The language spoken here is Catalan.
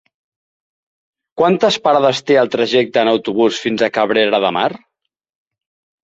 Quantes parades té el trajecte en autobús fins a Cabrera de Mar?